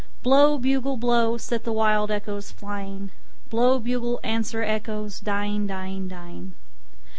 Blow, bugle, blow, set the wild echoes flying, Blow, bugle; answer, echoes, dying, dying, dying.